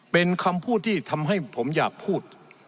เป็นคำพูดที่ทำให้ผมอยากพูด